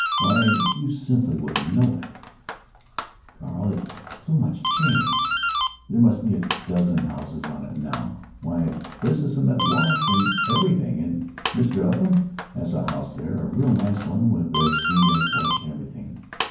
Why, you simply wouldn't know it, Carl, it's so much changed. There must be a dozen houses on it, now. Why, there's cement walks and everything, and Mr. Upham has a house there, a real nice one, with a screened in porch and everything....